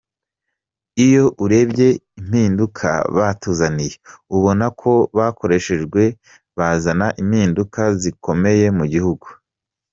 Iyo urebye impinduka batuzaniye, ubona ko bakoreshejwe bazana impinduka zikomeye mu gihugu.